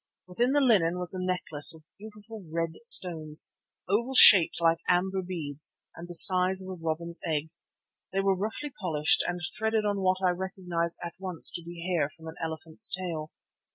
Within the linen was a necklace of beautiful red stones, oval shaped like amber beads and of the size of a robin's egg. They were roughly polished and threaded on what I recognized at once to be hair from an elephant's tail.